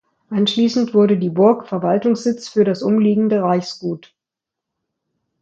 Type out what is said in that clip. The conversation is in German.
Anschließend wurde die Burg Verwaltungssitz für das umliegende Reichsgut.